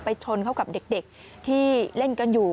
ชนเข้ากับเด็กที่เล่นกันอยู่